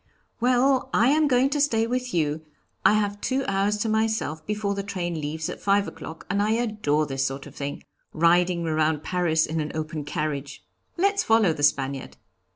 'Well, I am going to stay with you; I have two hours to myself before the train leaves at five o'clock and I adore this sort of thing, riding around Paris in an open carriage. Let's follow the Spaniard!'